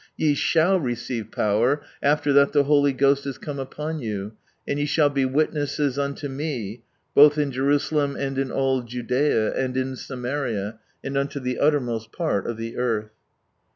" Ye shall receive i power after that the Holy Ghost is come upon you, and ye shall be witnesses unto | With the Power of God behind it 37 Me both in Jerusalem and in all Jud?ea, and in Samaria, and unto the uttermost part of the earth."